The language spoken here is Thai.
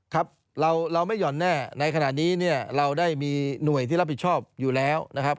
ครับเราไม่ห่อนแน่ในขณะนี้เนี่ยเราได้มีหน่วยที่รับผิดชอบอยู่แล้วนะครับ